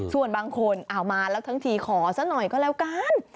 ส่วนบางคนเอามาแล้วทั้งทีขอซะหน่อยก็แล้วกัน